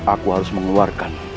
aku harus mengeluarkan